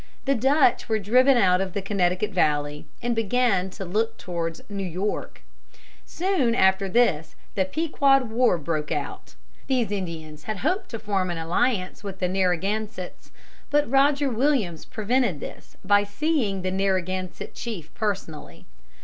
The Dutch were driven out of the Connecticut Valley, and began to look towards New York. [Illustration: PEQUOD INDIAN ON THE WAR PATH.] Soon after this the Pequod War broke out. These Indians had hoped to form an alliance with the Narragansetts, but Roger Williams prevented this by seeing the Narragansett chief personally.